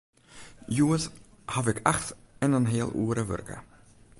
Hjoed haw ik acht en in heal oere wurke.